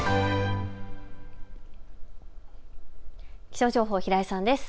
気象情報、平井さんです。